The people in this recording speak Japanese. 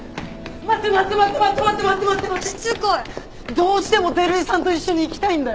どうしても照井さんと一緒に行きたいんだよ。